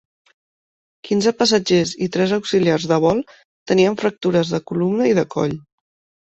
Quinze passatgers i tres auxiliars de vol tenien fractures de columna i de coll.